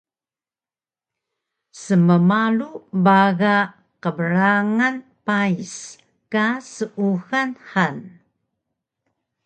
Smmalu paga qbrangan pais ka seuxal han